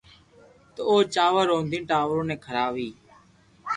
تو او چاور رودين ٽاٻرو ني کراوي